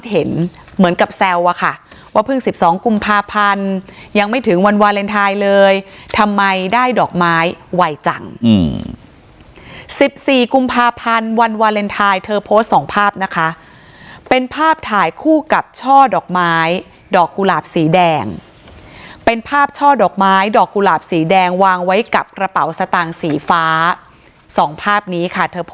เห็นเหมือนกับแซวอะค่ะว่าเพิ่ง๑๒กุมภาพันธ์ยังไม่ถึงวันวาเลนไทยเลยทำไมได้ดอกไม้ไวจังสิบสี่กุมภาพันธ์วันวาเลนไทยเธอโพสต์สองภาพนะคะเป็นภาพถ่ายคู่กับช่อดอกไม้ดอกกุหลาบสีแดงเป็นภาพช่อดอกไม้ดอกกุหลาบสีแดงวางไว้กับกระเป๋าสตางค์สีฟ้าสองภาพนี้ค่ะเธอพ